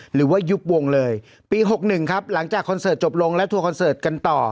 ยุบวงเลยปี๖๑ครับหลังจากคอนเสิร์ตจบลงและทัวร์คอนเสิร์ตกันต่อ